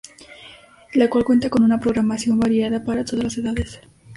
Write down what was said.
La cual cuenta con una programación variada para todas las edades.